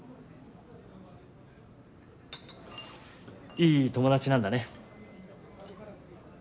いい友達なんだね。